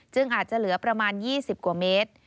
อาจจะเหลือประมาณ๒๐กว่าเมตร